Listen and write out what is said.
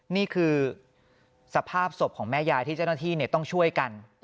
นี่คือสภาพศพของแม่ยายที่เจ้าหน้าที่ต้องช่วยกัน